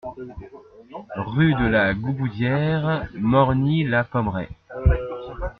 Rue de la Gauboudiere, Morgny-la-Pommeraye